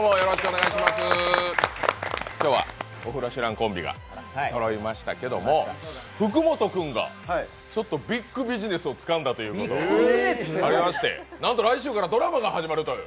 今日は「オフロシュラン」コンビがそろいましたけど、福本君がちょっとビックビジネスをつかんだということがありまして、なんと来週からドラマが始まるという。